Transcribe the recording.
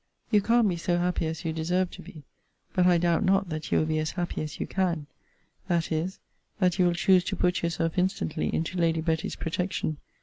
You can't be so happy as you deserve to be: but I doubt not that you will be as happy as you can; that is, that you will choose to put yourself instantly into Lady Betty's protection.